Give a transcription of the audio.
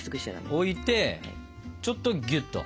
置いてちょっとギュッと。